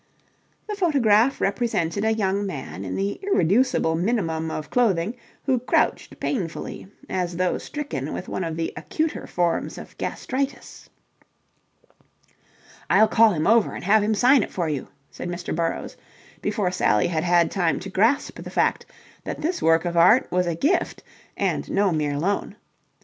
The photograph represented a young man in the irreducible minimum of clothing who crouched painfully, as though stricken with one of the acuter forms of gastritis. "I'll call him over and have him sign it for you," said Mr. Burrowes, before Sally had had time to grasp the fact that this work of art was a gift and no mere loan.